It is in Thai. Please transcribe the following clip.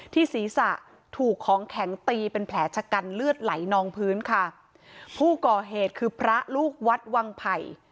ศีรษะถูกของแข็งตีเป็นแผลชะกันเลือดไหลนองพื้นค่ะผู้ก่อเหตุคือพระลูกวัดวังไผ่